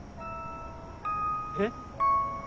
えっ？